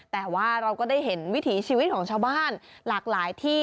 แต่ว่าเราก็ได้เห็นวิถีชีวิตของชาวบ้านหลากหลายที่